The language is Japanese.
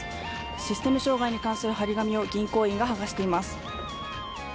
システム障害に関する貼り紙を銀行員が剥がしています。